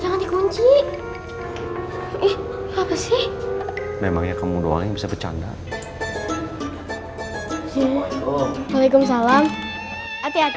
jangan dikunci ih apa sih memangnya kamu doang bisa bercanda assalamualaikum waalaikumsalam hati hati